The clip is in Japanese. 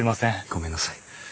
ごめんなさい。